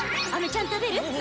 あめちゃん食べる？